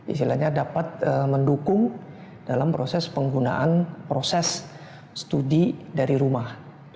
istilahnya dapat mendukung dalam proses penggunaan proses studi dari rumah